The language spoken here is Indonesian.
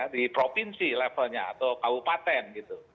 di provinsi levelnya atau kabupaten gitu